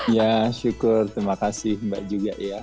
ya syukur terima kasih mbak juga ya